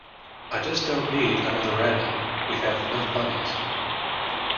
I just don't need another rabbit. We have enough bunnies.